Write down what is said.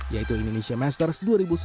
yaitu indonesia masters dua ribu sembilan belas